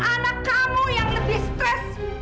anak kamu yang lebih stres